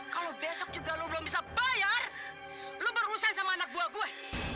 kalau besok juga lo belum bisa bayar lu berusen sama anak buah gue